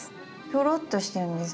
ひょろっとしてるんです。